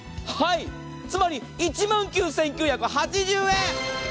つまり１万９９８０円。